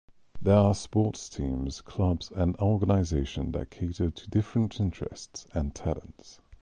There are sports teams, clubs, and organizations that cater to different interests and talents.